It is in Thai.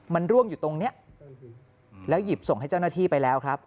มันร่วงอยู่ตรงนี้แล้วหยิบส่งให้เจ้าหน้าที่ไปแล้วครับ